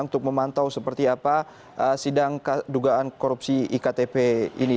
untuk memantau seperti apa sidang dugaan korupsi iktp ini